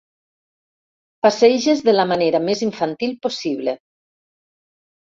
Passeges de la manera més infantil possible.